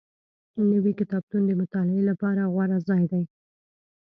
نوی کتابتون د مطالعې لپاره غوره ځای دی